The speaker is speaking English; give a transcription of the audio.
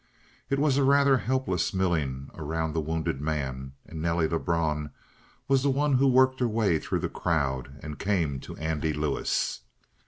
It was a rather helpless milling around the wounded man, and Nelly Lebrun was the one who worked her way through the crowd and came to Andy Lewis.